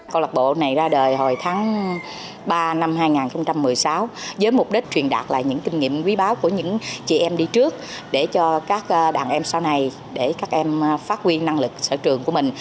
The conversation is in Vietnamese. câu lạc bộ này ra đời hồi tháng ba năm hai nghìn một mươi sáu với mục đích truyền đạt lại những kinh nghiệm quý báo của những chị em đi trước để cho các đàn em sau này để các em phát huy năng lực sở trường của mình